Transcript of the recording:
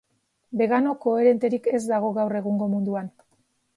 Begano koherenterik ez dago gaur egungo munduan.